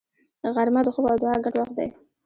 غرمه د خوب او دعا ګډ وخت دی